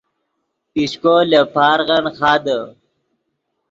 پیشکو لے پارغن خادے